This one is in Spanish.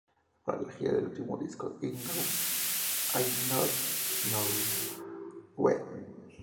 Para la gira del último disco If Not Now When?